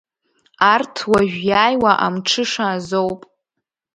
Арҭ уажә иааиуа амҽыша азоуп.